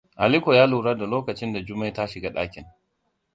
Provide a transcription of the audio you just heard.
Aliko ya lura da lokacin da Jummai ta shiga ɗakin.